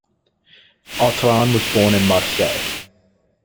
Autran was born in Marseille.